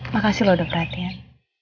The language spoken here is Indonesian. makasih lo udah perhatian